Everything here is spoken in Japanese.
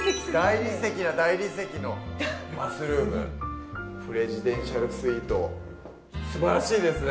大理石な大理石のバスルームプレジデンシャルスイートすばらしいですね